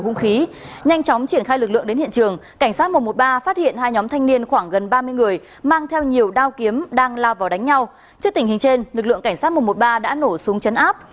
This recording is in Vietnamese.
nhìn trên lực lượng cảnh sát một trăm một mươi ba đã nổ súng chấn áp